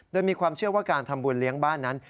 โดยมีความเชื่อว่าการทำบุญเลี้ยงบ้านนั้น